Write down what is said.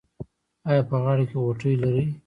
ایا په غاړه کې غوټې لرئ؟